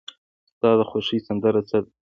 ستا د خوښې سندره څه ده؟